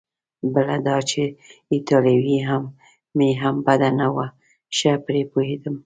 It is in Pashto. بله دا چې ایټالوي مې هم بده نه وه، ښه پرې پوهېدم.